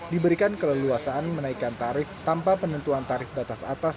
diberikan keleluasaan menaikkan tarif tanpa penentuan tarif batas atas